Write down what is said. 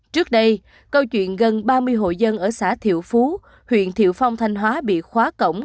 trước đây câu chuyện gần ba mươi hộ dân ở xã thiệu phú huyện thiệu phong thanh hóa bị khóa cổng